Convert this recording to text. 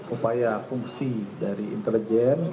upaya fungsi dari intelijen